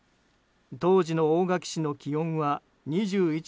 当時の大垣市の気温は２１．２度。